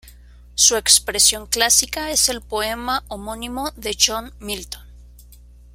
Su expresión clásica es el poema homónimo de John Milton.